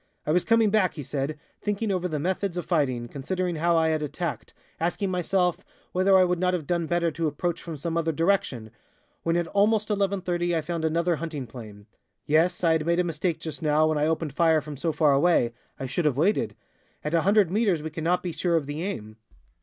"I was coming back," he said, "thinking over the methods of fighting, considering how I had attacked, asking myself whether I would not have done better to approach from some other direction, when at almost 11.30 I found another hunting plane. Yes, I had made a mistake just now, when I opened fire from so far away I should have waited. At 100 meters we cannot be sure of the aim.